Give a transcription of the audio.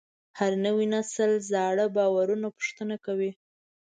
هر نوی نسل زاړه باورونه پوښتنه کوي.